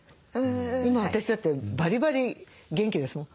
今私だってバリバリ元気ですもん。